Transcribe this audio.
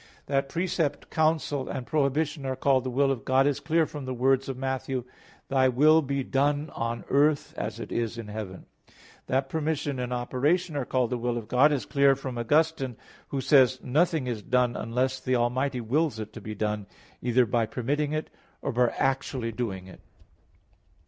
That precept, counsel, and prohibition are called the will of God is clear from the words of Matt. 6:10: "Thy will be done on earth as it is in heaven." That permission and operation are called the will of God is clear from Augustine (Enchiridion 95), who says: "Nothing is done, unless the Almighty wills it to be done, either by permitting it, or by actually doing it."